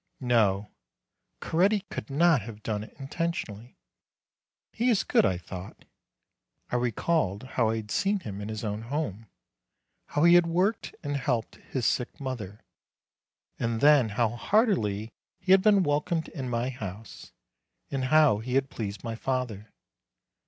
No; Coretti could not have done it intentionally. He is good, I thought. I recalled how I had seen him in his own home; how he had worked and helped his sick mother; and then how heartily he had been welcomed in my house; and how he had pleased my father.